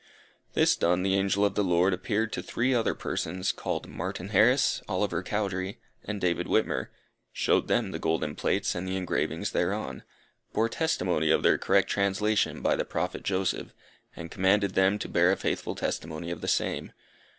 This done, the angel of the Lord appeared to three other persons, called Martin Harris, Oliver Cowdery, and David Whitmer; showed them the golden plates, and the engravings thereon; bore testimony of their correct translation by the Prophet Joseph, and commanded them to bear a faithful testimony of the same.